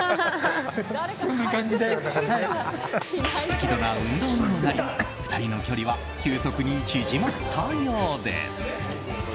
適度な運動にもなり２人の距離は急速に縮まったようです。